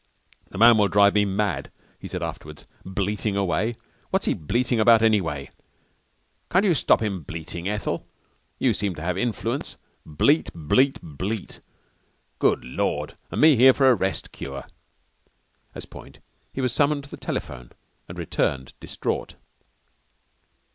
"The man will drive me mad," he said afterwards. "Bleating away! What's he bleating about anyway? Can't you stop him bleating, Ethel? You seem to have influence. Bleat! Bleat! Bleat! Good Lord! And me here for a rest cure!" At this point he was summoned to the telephone and returned distraught.